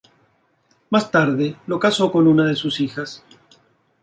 Más tarde lo casó con una de sus hijas.